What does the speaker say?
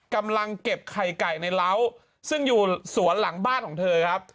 กำลังเก็บไข่ไก่ในเล้าซึ่งอยู่สวนหลังบ้านของเธอครับ